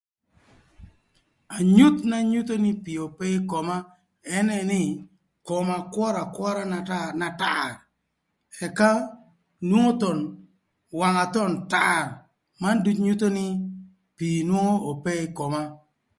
Anyuth na nyutho nï pii ope ï koma ënë nï koma kwör akwöra na tar ëka nwongo thon wanga thon tar, man ducu nyutho nï pii nwongo ope ï koma